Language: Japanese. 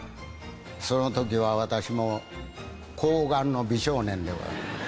その時は私も紅顔の美少年でございます。